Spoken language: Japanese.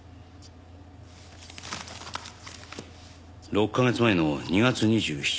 ６カ月前の２月２７日未明